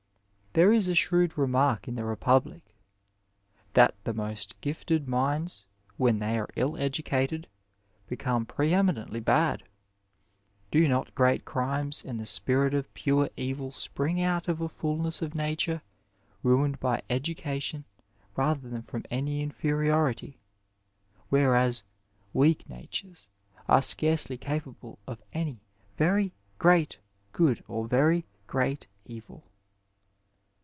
There is a shrewd remark in the Republic *'that the most gifted minds, when they are ill educated, become pre eminentlj bad. Do not great crimes and the spirit of pure evil spring out of a fulness of nature ruined by education rather than from any inferiority, whereas weak natures are scarcely capable of any very great good or very great evil."